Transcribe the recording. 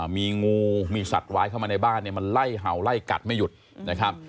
มีงูมีสัตว์ร้ายเข้ามาในบ้านเนี่ยมันไล่เห่าไล่กัดไม่หยุดนะครับ